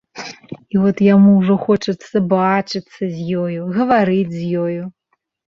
І от яму ўжо хочацца бачыцца з ёю, гаварыць з ёю.